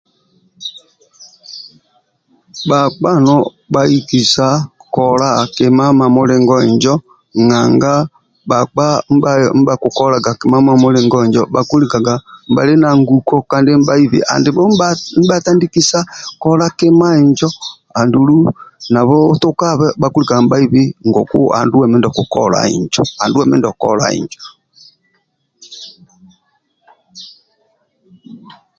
Bhakpa no bhaikisa kola kima mamulingo injo nanga bhakpa ndibha kikolaga kima mamulingoningo njo bhakulikaga nibhali na nguko kandi nibhaibi andibho ndibha tandikisa kola kimaninjo andulu nobu atukabe bhakilikaga nibhaibi ngoku anduwe mindio okukola mindio okola injo